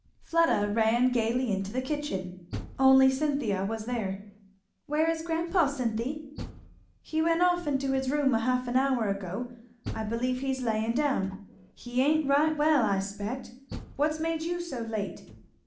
Fleda ran gayly into the kitchen. Only Cynthia was there. "Where is grandpa, Cynthy?" "He went off into his room a half an hour ago. I believe he's laying down. He ain't right well, I s'pect. What's made you so late?"